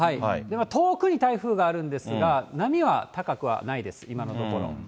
遠くに台風があるんですが、波は高くはないです。